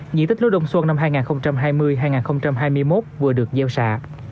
nhị tích lối đông xuân năm hai nghìn hai mươi hai nghìn hai mươi một vừa được gieo xạ